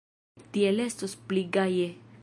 Tiel estos pli gaje.